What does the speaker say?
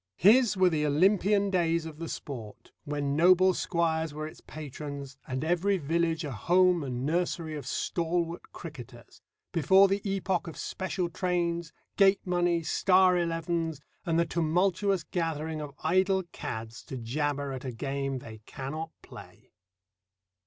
His were the Olympian days of the sport, when noble squires were its patrons, and every village a home and nursery of stalwart cricketers, before the epoch of special trains, gate money, star elevens, and the tumultuous gathering of idle cads to jabber at a game they cannot play.